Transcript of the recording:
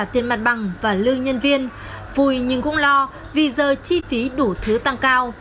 tiền mặt bằng và lương nhân viên vui nhưng cũng lo vì giờ chi phí đủ thứ tăng cao